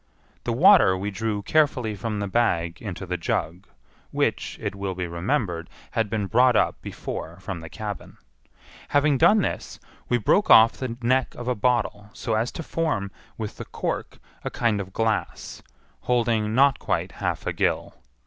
The water we drew carefully from the bag into the jug; which, it will be remembered, had been brought up before from the cabin. Having done this, we broke off the neck of a bottle so as to form, with the cork, a kind of glass, holding not quite half a gill.